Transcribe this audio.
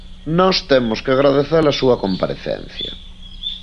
Nós temos que agradecer a súa comparecencia.